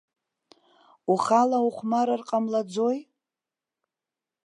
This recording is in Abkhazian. Ухала ухәмарыр ҟамлаӡои?